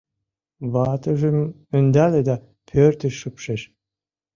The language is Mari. Ватыжым ӧндале да пӧртыш шупшеш.